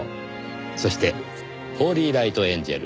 そしてホーリーライトエンジェル。